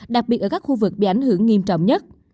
đặc biệt ở các khu vực bị ảnh hưởng nghiêm trọng nhất